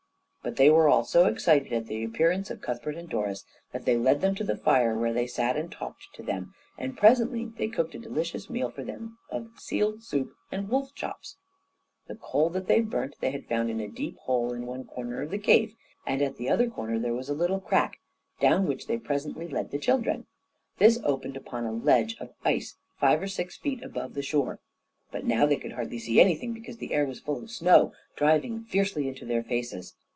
But they were all so excited at the appearance of Cuthbert and Doris that they led them to the fire, where they sat and talked to them, and presently they cooked a delicious meal for them of seal soup and wolf chops. The coal that they burnt they had found in a deep hole in one corner of the cave, and at the other corner there was a little crack, down which they presently led the children. This opened upon a ledge of ice, five or six feet above the shore, but now they could hardly see anything, because the air was full of snow, driving fiercely into their faces.